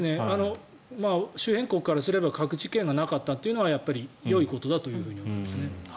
周辺国からすれば核実験がなかったというのはよいことだと思いますね。